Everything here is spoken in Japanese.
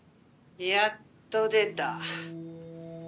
「やっと出た」えっ？